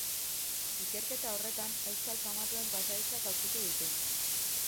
Ikerketa horretan, euskal famatuen pasahitzak aurkitu ditu.